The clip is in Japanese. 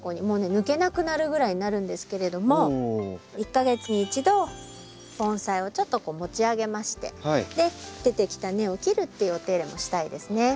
もうね抜けなくなるぐらいになるんですけれども１か月に１度盆栽をちょっとこう持ち上げまして出てきた根を切るっていうお手入れもしたいですね。